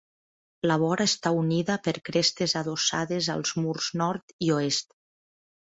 La vora està unida per crestes adossades als murs nord i oest.